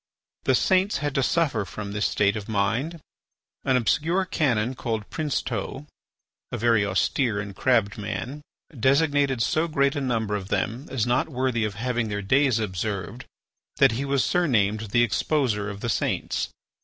The saints had to suffer from this state of mind. An obscure canon called Princeteau, a very austere and crabbed man, designated so great a number of them as not worthy of having their days observed, that he was surnamed the exposer of the saints.